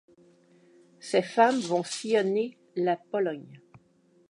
Ces femmes vont sillonner la Pologne.